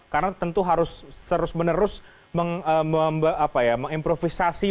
karena tentu harus terus menerus mengimprovisasi